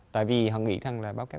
tại vì họ nghĩ rằng là báo cáo